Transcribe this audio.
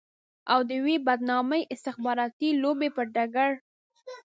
او د يوې بدنامې استخباراتي لوبې پر ډګر.